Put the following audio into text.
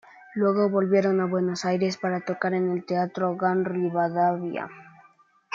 Luego volvieron a Buenos Aires para tocar en el Teatro Gran Rivadavia.